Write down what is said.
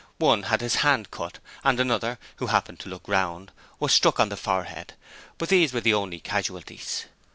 One had his hand cut and another, who happened to look round, was struck on the forehead, but these were the only casualties.